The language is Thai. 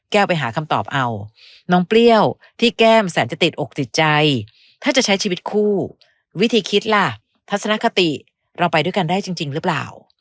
ไปหาคำตอบเอาน้องเปรี้ยวที่แก้มแสนจะติดอกติดใจถ้าจะใช้ชีวิตคู่วิธีคิดล่ะทัศนคติเราไปด้วยกันได้จริงหรือเปล่า